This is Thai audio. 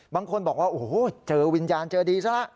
บางคนบอกว่าโอ้โหเจอวิญญาณเจอดีซะละ